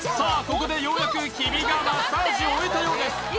ここでようやく日比がマッサージを終えたようです